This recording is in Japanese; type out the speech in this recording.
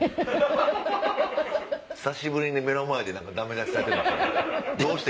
久しぶりに目の前でダメ出しされて。